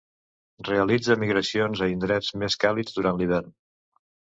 Realitza migracions a indrets més càlids durant l'hivern.